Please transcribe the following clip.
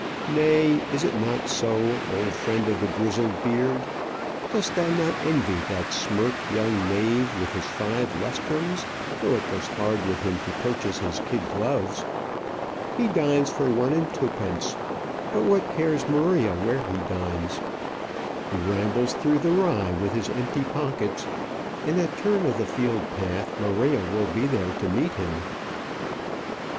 Nay, is it not so, old friend of the grizzled beard? Dost thou not envy that smirk young knave with his five lustrums, though it goes hard with him to purchase his kid gloves? He dines for one and twopence at an eating house; but what cares Maria where he dines? He rambles through the rye with his empty pockets, and at the turn of the field path Maria will be there to meet him.